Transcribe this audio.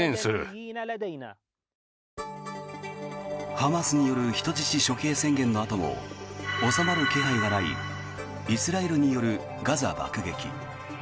ハマスによる人質処刑宣言のあとも収まる気配がないイスラエルによるガザ爆撃。